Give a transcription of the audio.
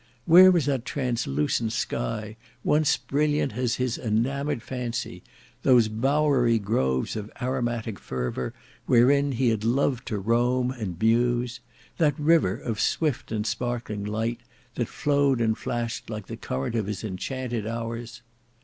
Where was that translucent sky, once brilliant as his enamoured fancy; those bowery groves of aromatic fervor wherein he had loved to roam and muse; that river of swift and sparkling light that flowed and flashed like the current of his enchanted hours?